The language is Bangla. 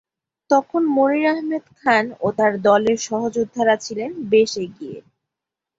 তখন মনির আহমেদ খান ও তার দলের সহযোদ্ধারা ছিলেন বেশ এগিয়ে।